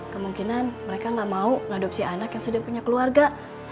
kemungkinan mereka nggak mau ngadopsi anak yang sudah punya keluarga